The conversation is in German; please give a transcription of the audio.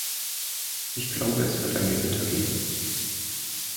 Ich glaube, es wird ein Gewitter geben.